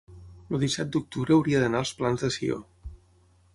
el disset d'octubre hauria d'anar als Plans de Sió.